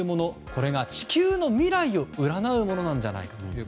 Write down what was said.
これが地球の未来を占うものなんじゃないかと。